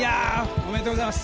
おめでとうございます。